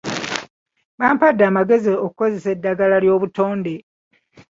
Bampadde amagezi okukozesa eddagala ly'obutonde.